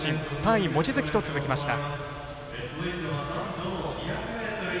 ３位、望月と続きました。